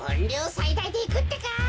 さいだいでいくってか。